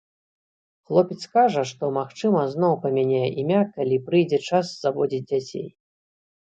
Хлопец кажа, што, магчыма, зноў памяняе імя, калі прыйдзе час заводзіць дзяцей.